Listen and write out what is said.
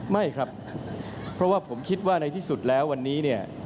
ไม่ครับเพราะว่าผมคิดว่าในที่สุดแล้ววันนี้เนี่ย